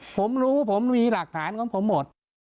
ผมรู้ผมมีหลักฐานของผมหมด